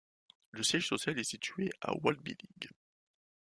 Le siège social est situé à Waldbillig.